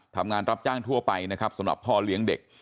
รับจ้างทั่วไปนะครับสำหรับพ่อเลี้ยงเด็ก